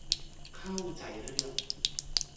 เข้าใจเรื่อง